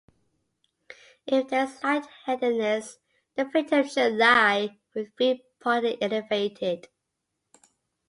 If there is light-headedness, the victim should lie with feet partly elevated.